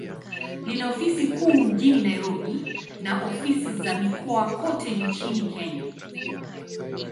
Lina ofisi kuu mjini Nairobi, na ofisi za mikoa kote nchini Kenya.